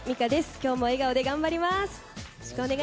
今日も笑顔で頑張ります。